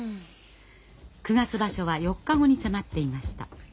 九月場所は４日後に迫っていました。